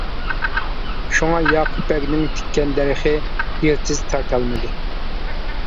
شۇڭا ياقۇپبەگنىڭ تىككەن دەرىخى يىلتىز تارتالمىدى.